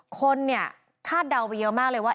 คนเนี่ยคาดเดาไปเยอะมากเลยว่า